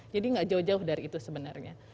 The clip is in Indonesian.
jadi nggak jauh jauh dari itu sebenarnya